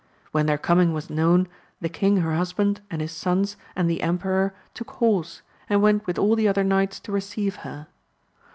When their coming was known, the king her husband, and his sons, and the emperor took horse, and went with all the other knights to receive her.